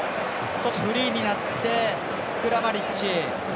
フリーになってクラマリッチ。